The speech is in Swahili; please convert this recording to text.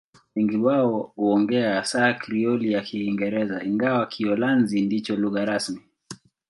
Wengi wao huongea hasa Krioli ya Kiingereza, ingawa Kiholanzi ndicho lugha rasmi.